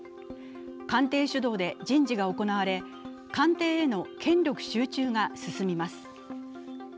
官邸主導で人事が行われ、官邸への権力集中が進みます。